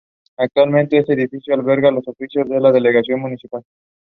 It is only known from East Timor.